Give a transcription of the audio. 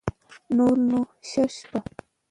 نور نو شه شپه